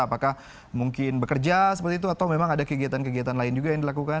apakah mungkin bekerja seperti itu atau memang ada kegiatan kegiatan lain juga yang dilakukan